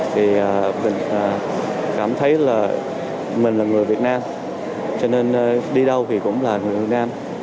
thì mình cảm thấy là mình là người việt nam cho nên đi đâu thì cũng là người việt nam